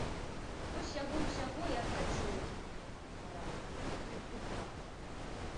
Вось яго ўсяго і абкаціла кіпенем, небараку, як япрука.